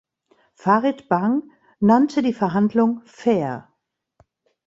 Farid Bang nannte die Verhandlung „fair“.